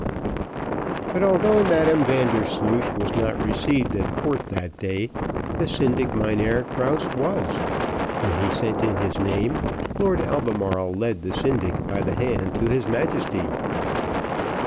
But, although Madam Vandersloosh was not received at court that day, the syndic Mynheer Krause was; when he sent in his name, Lord Albemarle led the syndic by the hand to his Majesty.